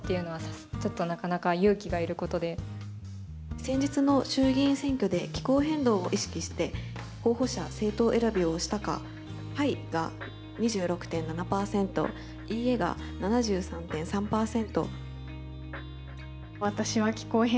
先日の衆議院選挙で気候変動を意識して候補者政党選びをしたかはいが２６．７％いいえが７３．３％。